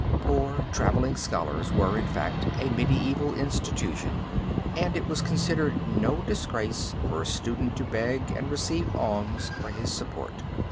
Poor traveling scholars were, in fact, a medieval institution, and it was considered no disgrace for a student to beg and receive alms for his support."